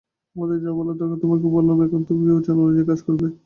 আমাদের যা বলার তোমাকে বললাম, এখন তুমি তোমার বিবেচনা অনুযায়ী কাজ করবে।